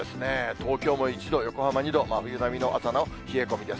東京も１度、横浜２度、真冬並みの朝の冷え込みです。